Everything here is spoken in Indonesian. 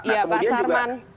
ya pak sarman